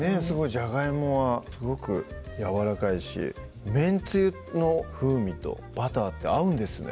じゃがいもはすごくやわらかいしめんつゆの風味とバターって合うんですね